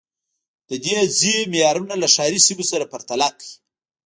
د دې ځای معیارونه له ښاري سیمو سره پرتله کړئ